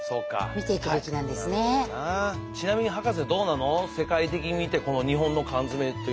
ちなみに博士どうなの？